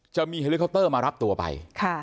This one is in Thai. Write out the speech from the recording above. จะมีเฮลิคอปเตอร์มารับตัวไป